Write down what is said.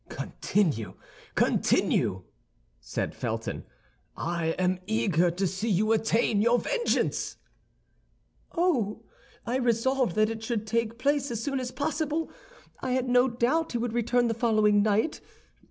"Continue, continue!" said Felton; "I am eager to see you attain your vengeance!" "Oh, I resolved that it should take place as soon as possible. I had no doubt he would return the following night.